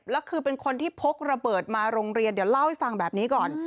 แล้วคือเป็นคนที่พกระเบิดมาโรงเรียนเดี๋ยวเล่าให้ฟังแบบนี้ก่อน